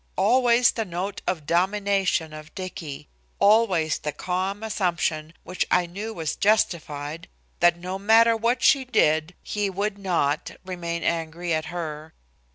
Always the note of domination of Dicky! Always the calm assumption, which I knew was justified, that no matter what she did he would not, remain angry at her!